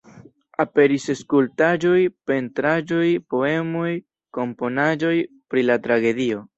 Aperis skulptaĵoj, pentraĵoj, poemoj, komponaĵoj pri la tragedio.